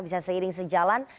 bisa seiring sejalan